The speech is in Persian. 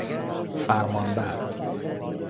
فرمان بر